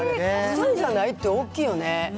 １人じゃないって大きいよね。